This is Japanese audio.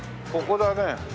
ここだねえ。